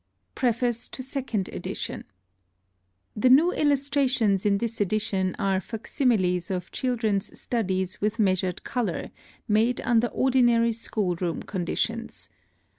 PREFACE TO SECOND EDITION. The new illustrations in this edition are facsimiles of children's studies with measured color, made under ordinary school room conditions.